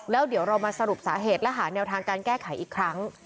แล้วเดี๋ยวเรามาสรุปสาเหตุและหาแนวทางการแก้ไขอีกครั้ง